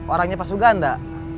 orangnya pak suganda